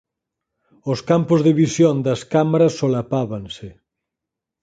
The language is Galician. Os campos de visión das cámaras solapábanse.